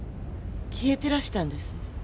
消えてらしたんですね。